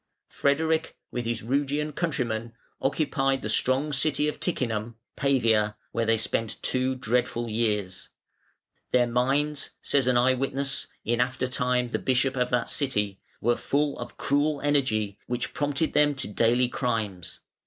Frederic, with his Rugian countrymen, occupied the strong city of Ticinum (Pavia), where they spent two dreadful years, "Their minds", says an eye witness, in after time the Bishop of that city, "were full of cruel energy which prompted them to daily crimes.